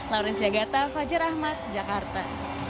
lauren sya gata fajar ahmad jakarta